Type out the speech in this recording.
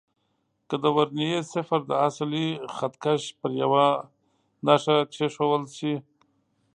که د ورنيې صفر د اصلي خط کش پر یوه نښه کېښودل شي.